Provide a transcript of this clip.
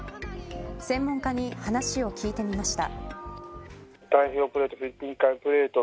専門家に話を聞いてみました。